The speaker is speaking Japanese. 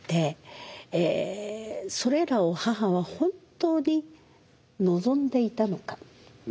それらを母は本当に望んでいたのか？